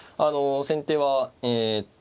先手はえっと